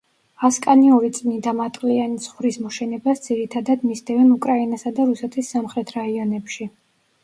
ასკანიური წმინდამატყლიანი ცხვრის მოშენებას ძირითადად მისდევენ უკრაინასა და რუსეთის სამხრეთ რაიონებში.